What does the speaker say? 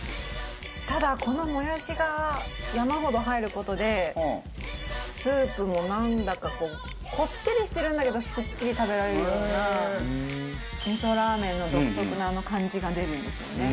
ただこのもやしが山ほど入る事でスープもなんだかこうこってりしてるんだけどすっきり食べられるような味噌ラーメンの独特なあの感じが出るんですよね。